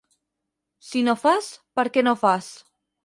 Si no fas, perquè no fas.